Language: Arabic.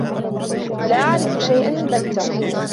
لا أعرف شيئًا البتّة.